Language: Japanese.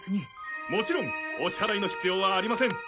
もちろんお支払いの必要はありません。